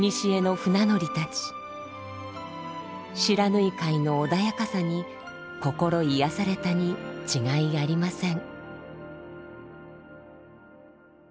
不知火海の穏やかさに心癒やされたに違いありません。